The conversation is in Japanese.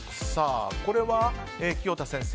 これは清田先生